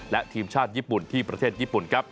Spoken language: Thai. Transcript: และทีมชาติญี่ปุ่นที่ประเทศญี่ปุ่นครับ